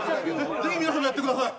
ぜひ、皆さんもやってください。